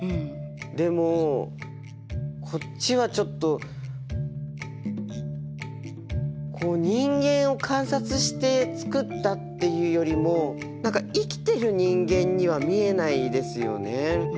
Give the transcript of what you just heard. でもこっちはちょっと人間を観察して作ったっていうよりも何か生きてる人間には見えないですよね。